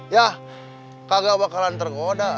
ya tidak akan tergoda